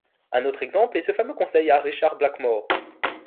Un autre exemple est ce fameux conseil à Richard Blackmore.